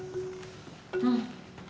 うん。